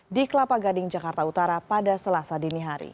di kelapa gading jakarta utara pada selasa dini hari